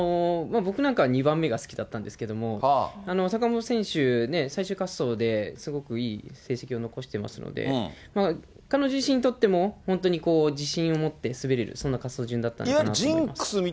僕なんかは２番目が好きだったんですけれども、坂本選手ね、最終滑走ですごくいい成績を残してますので、彼女自身にとっても、本当に自信を持って滑れる、そんな滑走順だったのかなと思います。